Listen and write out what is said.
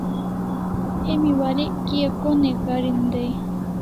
Emi warek kia ko ne karin dai?